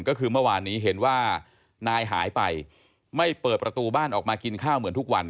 ก็คือเมื่อวานนี้เห็นว่านายหายไปไม่เปิดประตูบ้านออกมากินข้าวเหมือนทุกวัน